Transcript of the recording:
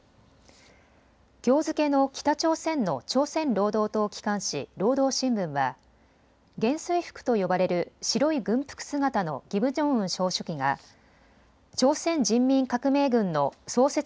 きょう付けの北朝鮮の朝鮮労働党機関紙、労働新聞は元帥服と呼ばれる白い軍服姿のキム・ジョンウン総書記が朝鮮人民革命軍の創設